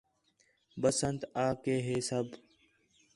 بسنت آ کہ ہے سب